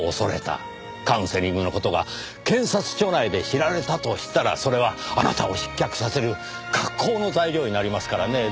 カウンセリングの事が検察庁内で知られたとしたらそれはあなたを失脚させる格好の材料になりますからねぇ。